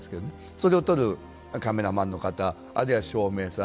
それを撮るカメラマンの方あるいは照明さん